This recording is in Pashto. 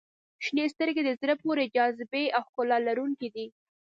• شنې سترګې د زړه پورې جاذبې او ښکلا لرونکي دي.